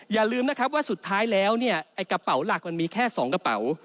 อย่าลืมนะครับว่าสุดท้ายแล้วเนี่ยไอ้กระเป๋าหลักมันมีแค่๒กระเป๋า